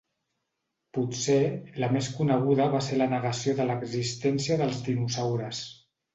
Potser, la més coneguda va ser la negació de l'existència dels dinosaures.